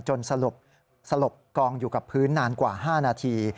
สลบกองอยู่กับพื้นนานกว่า๕นาที